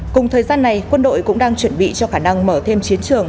cùng thời gian này quân đội cũng đang chuẩn bị cho khả năng mở thêm chiến trường